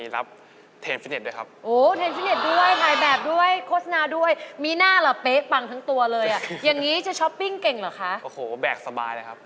เรื่องราคาล่ะรู้บ้างไหม